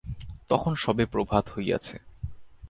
তখন সবে প্রভাত হইয়াছে।